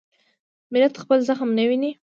ملت خپل زخم نه ویني.